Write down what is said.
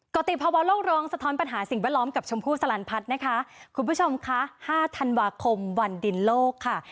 ติภาวะโลกร้องสะท้อนปัญหาสิ่งแวดล้อมกับชมพู่สลันพัฒน์นะคะคุณผู้ชมคะห้าธันวาคมวันดินโลกค่ะ